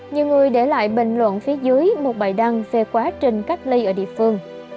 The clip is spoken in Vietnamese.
nhiều người để lại bình luận phía dưới một bài đăng về quá trình cách ly ở địa phương